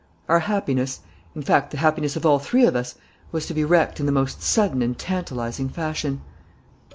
Our happiness, in fact the happiness of all three of us was to be wrecked in the most sudden and tantalizing fashion.